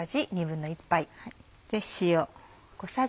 塩。